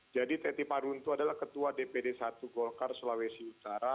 jadi teti paruntu adalah ketua dpd satu golkar sulawesi utara